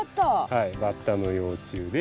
はいバッタの幼虫で。